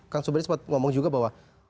kang sobari sempat ngomong juga bahwa